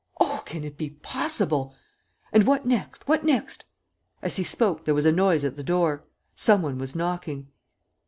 ... Oh, can it be possible? ... And what next, what next?" As he spoke there was a noise at the door. Some one was knocking.